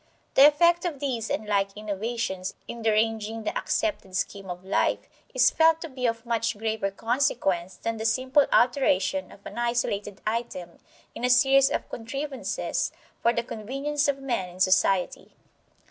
The effect of these and like innovations in deranging the accepted scheme of life is felt to be of much graver consequence than the simple alteration of an isolated item in a series of contrivances for the convenience of men in society.